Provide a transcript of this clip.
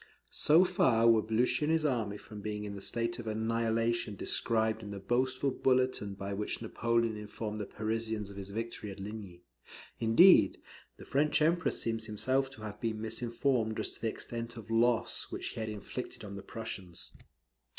So far were Blucher and his army from being in the state of annihilation described in the boastful bulletin by which Napoleon informed the Parisians of his victory at Ligny. Indeed, the French Emperor seems himself to have been misinformed as to the extent of loss which he had inflicted on the Prussians.